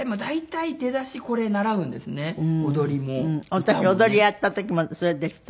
私踊りやった時もそれでした。